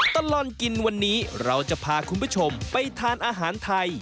ตลอดกินวันนี้เราจะพาคุณผู้ชมไปทานอาหารไทย